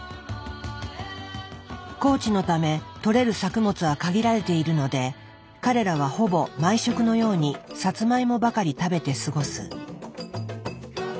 高地のため取れる作物は限られているので彼らはほぼ毎食のようにサツマイモばかり食べて過ごす。